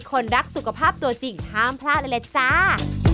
คนรักสุขภาพตัวจริงห้ามพลาดเลยล่ะจ้า